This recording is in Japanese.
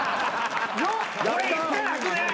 俺言ってなくねぇ？